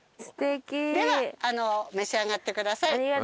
では召し上がってください。